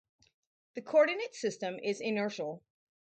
The coordinate system is inertial.